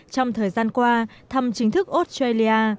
trong thời gian qua thăm chính thức australia